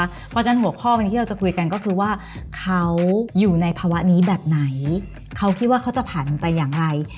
เพราะฉะนั้นหัวข้อวันนี้ที่เราจะคุยกันก็คือว่าเขาอยู่ในภาวะนี้แบบไหนเขาคิดว่าเขาจะผ่านไปอย่างไร